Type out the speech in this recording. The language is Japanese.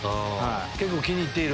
結構気に入ってる？